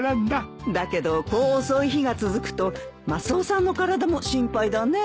だけどこう遅い日が続くとマスオさんの体も心配だねえ。